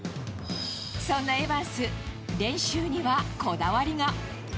そんなエヴァンス、練習にはこだわりが。